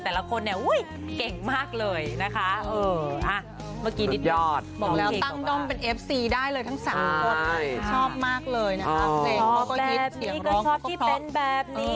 แต่ละคนเนี่ยอุ้ยเก่งมากเลยนะคะ